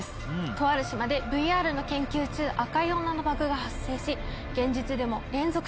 とある島でＶＲの研究中赤い女のバグが発生し現実でも連続死が。